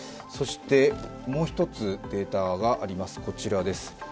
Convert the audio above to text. そしてもう一つデータがあります、こちらです。